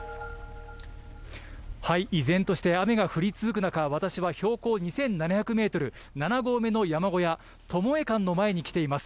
依然として雨が降り続く中、私は標高２７００メートル、７合目の山小屋、トモエ館の前に来ています。